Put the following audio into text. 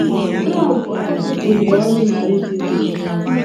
Trump atụpụghị ọnụ na Radio